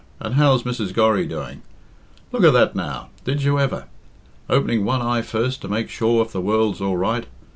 And how's Mrs. Gorry doing? Look at that now did you ever? Opening one eye first to make sure if the world's all right.